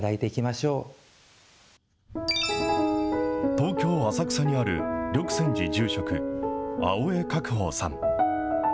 東京・浅草にある緑泉寺住職、青江覚峰さん。